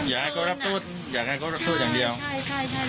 อยากให้เขารับโทษอย่างเดียว